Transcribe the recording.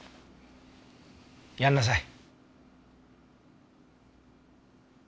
やんなさい。